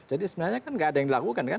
jadi sebenarnya kan gak ada yang dilakukan kan